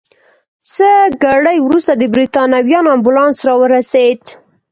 څه ګړی وروسته د بریتانویانو امبولانس راورسېد.